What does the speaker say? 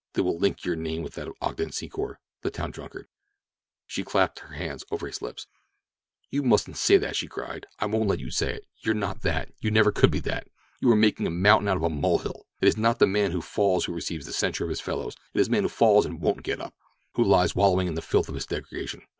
They will link your name with that of Ogden Secor, the town drunkard—" She clapped her hand over his lips. "You mustn't say that!" she cried. "I won't let you say it! You are not that—you never could be that. You are making a mountain of a molehill. It is not the man who falls who receives the censure of his fellows; it's the man who falls and won't get up—who lies wallowing in the filth of his degradation.